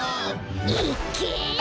いっけ！